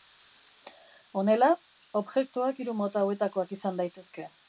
Honela, objektuak hiru mota hauetakoak izan daitezke.